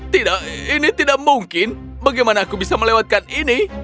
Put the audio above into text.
tidak ini tidak mungkin bagaimana aku bisa melewatkan ini